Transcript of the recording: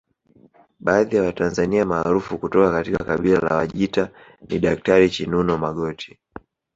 Baadhi ya Watanzania maarufu kutoka kabila la Wajita ni Daktari Chinuno Magoti